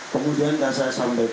kemudian yang saya sampaikan